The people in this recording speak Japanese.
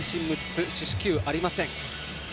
四死球ありません。